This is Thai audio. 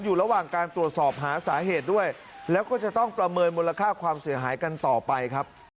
อยู่ระหว่างการตรวจสอบหาสาเหตุด้วยแล้วก็จะต้องประเมินมูลค่าความเสียหายกันต่อไปครับ